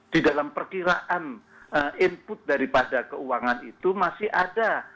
di dalam perkiraan input daripada keuangan itu masih ada